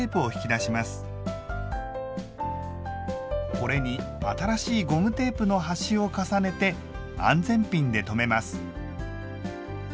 これに新しいゴムテープの端を重ねて安全ピンで留めます。